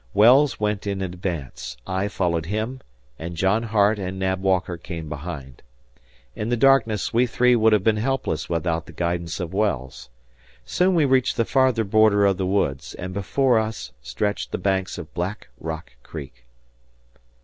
Wells went in advance, I followed him, and John Hart and Nab Walker came behind. In the darkness, we three would have been helpless without the guidance of Wells. Soon we reached the farther border of the woods; and before us stretched the banks of Black Rock Creek.